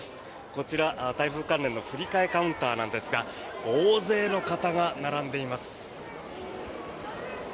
こちら、台風関連の振り替えカウンターなんですが大勢の方が並んでいます。